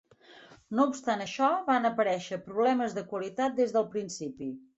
No obstant això, van aparèixer problemes de qualitat des del principi.